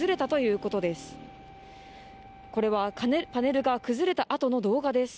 これはパネルが崩れたあとの動画です。